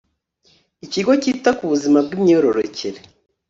ikigo cyita ku buzima bw imyororokere